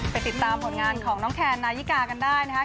ติดตามผลงานของน้องแคนนายิกากันได้นะครับ